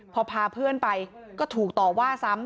พอพาเพื่อนไปก็ถูกต่อว่าซ้ำ